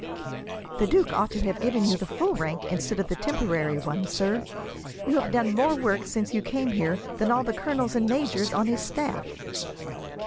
"The duke ought to have given you the full rank, instead of the temporary one, sir. You have done more work, since you came here, than all the colonels and majors on his staff."